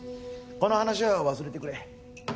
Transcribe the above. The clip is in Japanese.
この話は忘れてくれ。